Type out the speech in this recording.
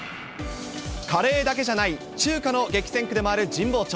カレーだけじゃない、中華の激戦区でもある神保町。